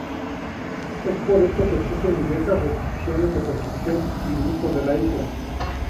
Es por esto que existen diversas restricciones de construcción y uso de la isla.